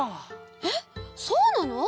えっそうなの？